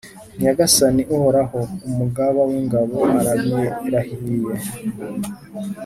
Nyagasani Uhoraho, Umugaba w’ingabo arabirahiriye.